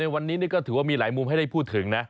วันนี้ก็ถือว่ามีหลายมุมให้ได้พูดถึงนะ